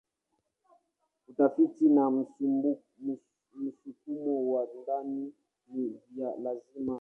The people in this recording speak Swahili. Utafiti na msukumo wa ndani ni vya lazima kwake.